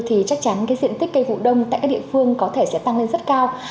thì chắc chắn cái diện tích cây vụ đông tại các địa phương có thể sẽ tăng lên rất cao